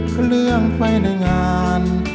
เครื่องไฟในงาน